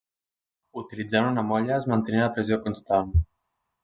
Utilitzant una molla es mantenia la pressió constant.